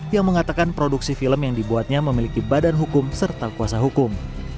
yang mengatakan produksi film yang dibuatnya memiliki badan hukum serta kuasa hukum